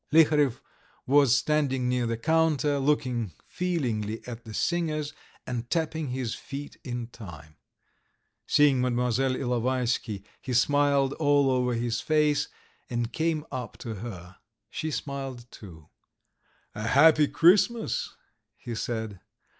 .." Liharev was standing near the counter, looking feelingly at the singers and tapping his feet in time. Seeing Mlle. Ilovaisky, he smiled all over his face and came up to her. She smiled too. "A happy Christmas!" he said.